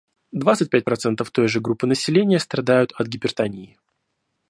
Двадцать пять процентов той же группы населения страдают от гипертонии.